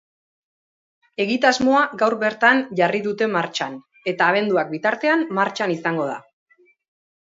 Egitasmoa gaur bertan jarri dute martxan, eta abenduak bitartean martxan izango da.